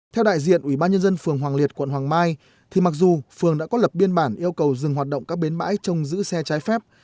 theo đại diện ubnd tp hoàng liệt quận hoàng mai thì mặc dù phường đã có lập biên bản yêu cầu dừng hoạt động các bến bãi trong giữ xe trái phép